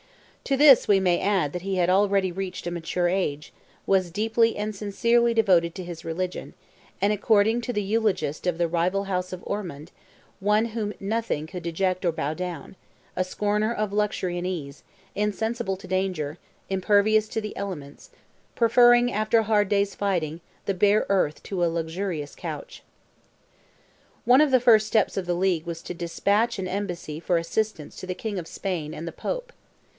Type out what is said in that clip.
To this we may add that he had already reached a mature age; was deeply and sincerely devoted to his religion; and, according to the eulogist of the rival house of Ormond, one whom nothing could deject or bow down, a scorner of luxury and ease, insensible to danger, impervious to the elements, preferring, after a hard day's fighting, the bare earth to a luxurious couch. One of the first steps of the League was to despatch an embassy for assistance to the King of Spain and the Pope.